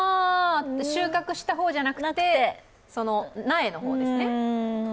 収穫した方じゃなくて、苗の方ですね。